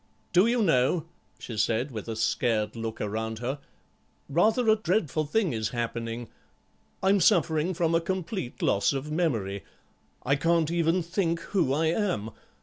"Do you know," she said, with a scared look around her, "rather a dreadful thing is happening. I'm suffering from a complete loss of memory. I can't even think who I am.